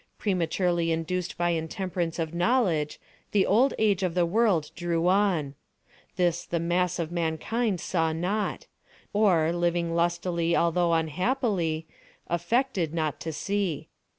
Prematurely induced by intemperance of knowledge the old age of the world drew on. This the mass of mankind saw not, or, living lustily although unhappily, affected not to see.